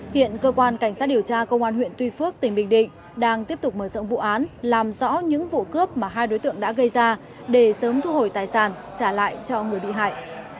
hiện cơ quan cảnh sát điều tra công an huyện tuy phước tỉnh bình định đang tiếp tục mở rộng vụ án làm rõ những vụ cướp mà hai đối tượng đã gây ra để sớm thu hồi tài sản trả lại cho người bị hại